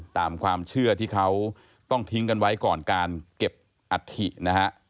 ตามความเชื่อที่เขาต้องทิ้งกันไว้ก่อนการเก็บอัฐินะฮะ